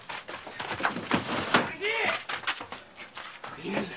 居ねえぜ。